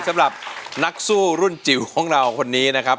สำหรับนักสู้รุ่นจิ๋วของเราคนนี้นะครับ